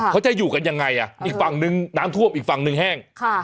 เขาจะอยู่กันยังไงอ่ะอีกฝั่งนึงน้ำท่วมอีกฝั่งหนึ่งแห้ง